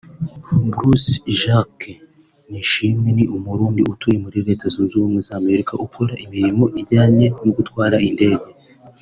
Bruce Jacques Nishimwe ni Umurundi utuye muri Leta Zunze Ubumwe z’Amerika ukora imirimo ijyanye no gutwara indege